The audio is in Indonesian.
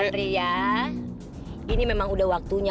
pria ini memang udah waktunya